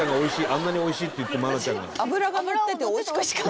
あんなに「おいしい」って言った愛菜ちゃんが。